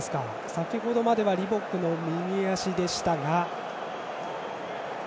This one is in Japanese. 先程まではリボックの右足でしたが。